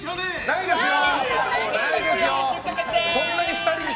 ないですよ。